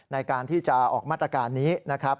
ในการที่จะออกมาตรการนี้นะครับ